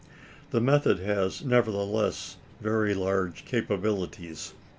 The method has, nevertheless, very large capabilities.